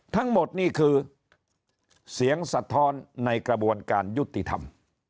ทั้งหมดนี่คือเสียงสะท้อนในกระบวนการยุติธรรม